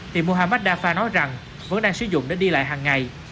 thì muhammad dafa nói rằng vẫn đang sử dụng để đi lại hằng ngày